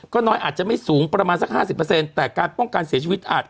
ก็น้อยอาจจะไม่สูงประมาณสักห้าสิบเปอร์เซ็นต์แต่การป้องกันเสียชีวิตอาจ